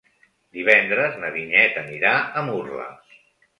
Divendres na Vinyet anirà a Murla.